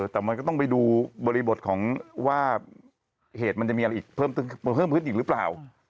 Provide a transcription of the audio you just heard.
แต่มันก็ต้องไปดูบริบทของว่าเหตุมันจะมีอะไรอีกเพิ่มขึ้นอีกหรือเปล่า